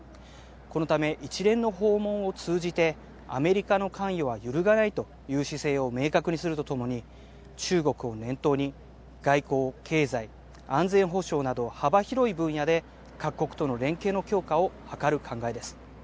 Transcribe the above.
このため一連の訪問を通じて、アメリカの関与は揺るがないという姿勢を明確にするとともに、中国を念頭に、外交、経済、安全保障など幅広い分野で、各国との連携の強化を図る考えです。